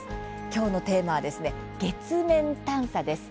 今日のテーマは、月面探査です。